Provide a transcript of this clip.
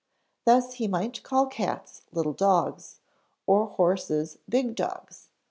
Thus he might call cats little dogs, or horses big dogs.